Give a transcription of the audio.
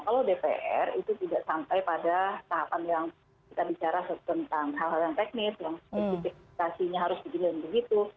kalau dpr itu tidak sampai pada tahapan yang kita bicara tentang hal hal yang teknis yang spesifikasinya harus begini begitu